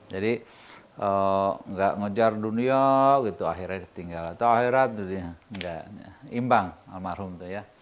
jadi gak ngejar dunia gitu akhiratnya tinggal atau akhirat itu imbang almarhum itu ya